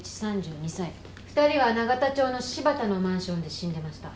２人は永田町の柴田のマンションで死んでました。